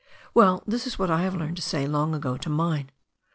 Well, this is what I learned to say long ago to mine.